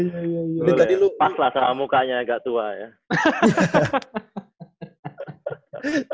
boleh lupa lah sama mukanya agak tua ya